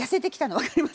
分かります。